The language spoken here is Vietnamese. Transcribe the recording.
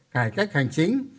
cải cách hành chính